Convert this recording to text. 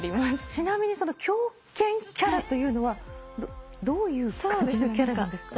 ちなみにその狂犬キャラというのはどういう感じのキャラなんですか？